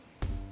pada saat ini